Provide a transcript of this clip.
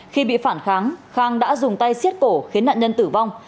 khi bị phản kháng khang đã dùng tay xiết cổ khiến nạn nhân tử vong